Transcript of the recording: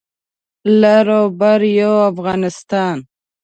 لر او بر یو افغانستان